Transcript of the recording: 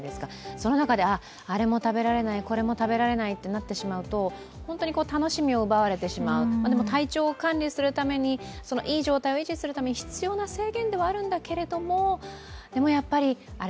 その中であれも食べられないこれも食べられないってなってしまうと、楽しみを奪われてしまう、でも体調を管理するためにいい状態を維持するために必要な制限ではあるんだけど、でもやっぱりあれ